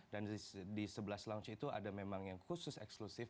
dan di sebelas lounge itu ada memang yang khusus eksplosif